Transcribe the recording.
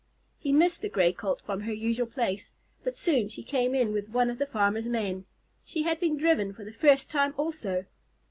He missed the Gray Colt from her usual place, but soon she came in with one of the farmer's men. She had been driven for the first time also.